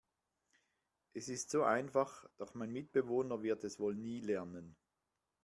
Es ist so einfach, doch mein Mitbewohner wird es wohl nie lernen.